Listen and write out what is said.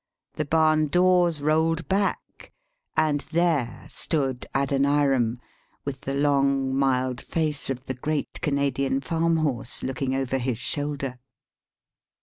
The barn doors rolled back, and there stood Adoniram, with the long mild face of the great Canadian farm horse looking over his shoulder.